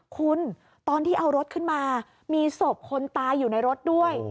คุณตอนที่เอารถขึ้นมามีศพคนตายอยู่ในรถด้วย